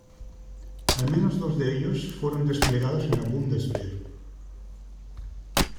Al menos dos de ellos fueron desplegados en la Bundeswehr.